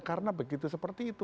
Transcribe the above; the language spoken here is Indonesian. karena begitu seperti itu